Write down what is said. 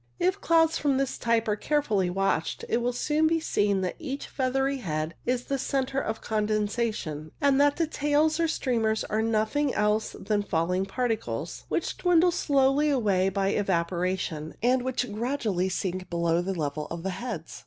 If clouds of this type are carefully watched, it will soon be seen that each feathery head is a centre of condensation, and that the tails or streamers are nothing else than falling particles, which dwindle slowly away by evaporation, and which gradually sink below the level of the heads.